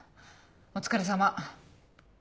お疲れさま。